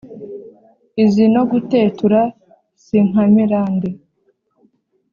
izi no gutetura, si nkamirande :